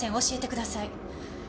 教えてください。